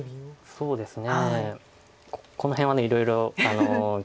そうですね